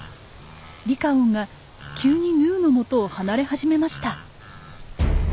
リカオンが急にヌーの元を離れ始めました。